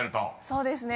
そうですね。